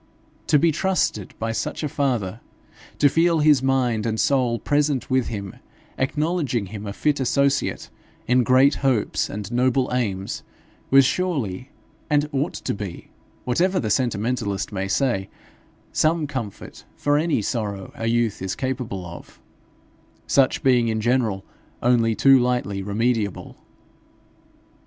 To be trusted by such a father, to feel his mind and soul present with him, acknowledging him a fit associate in great hopes and noble aims, was surely and ought to be, whatever the sentimentalist may say, some comfort for any sorrow a youth is capable of, such being in general only too lightly remediable.